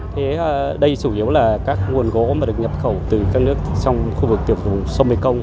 thế đây chủ yếu là các nguồn gỗ mà được nhập khẩu từ các nước trong khu vực tiểu vùng sông mekong